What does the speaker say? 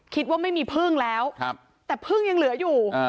คิดว่าไม่มีพึ่งแล้วแต่พึ่งยังเหลืออยู่